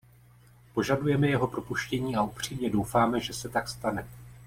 Požadujeme jeho propuštění a upřímně doufáme, že se tak stane.